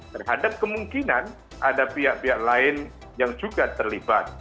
terhadap kemungkinan ada pihak pihak lain yang juga terlibat